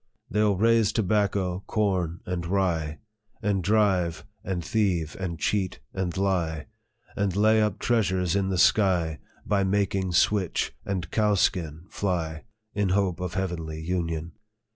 " They 11 raise tobacco, corn, and rye, And drive, and thieve, and cheat, and lie, And lay up treasures in the sky, By making switch and cowskin fly, In hope of heavenly union.